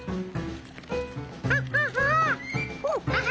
ハッハハ。